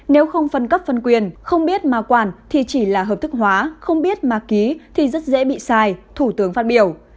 nếu không phân cấp phân quyền không biết mà quản thì chỉ là hợp thức hóa không biết mà ký thì rất dễ bị sai thủ tướng phát biểu